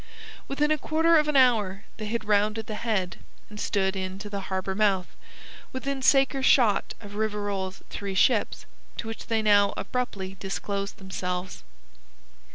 Within a quarter of an hour they had rounded the head, and stood in to the harbour mouth, within saker shot of Rivarol's three ships, to which they now abruptly disclosed themselves.